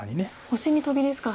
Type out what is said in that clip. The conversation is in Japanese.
星にトビですか。